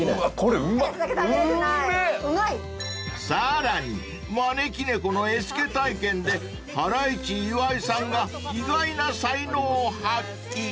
［さらに招き猫の絵付け体験でハライチ岩井さんが意外な才能を発揮］